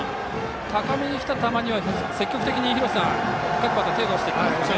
高めにきた球には積極的に各バッター手を出してきますね。